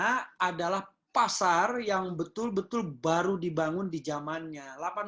karena adalah pasar yang betul betul baru dibangun di zamannya